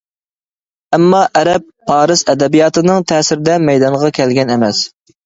ئەمما، ئەرەب، پارس ئەدەبىياتىنىڭ تەسىرىدە مەيدانغا كەلگەن ئەمەس.